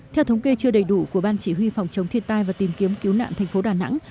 theo thống kê chưa đầy đủ của ban chỉ huy phòng chống thiên tai và tìm kiếm cứu nạn thành phố đà nẵng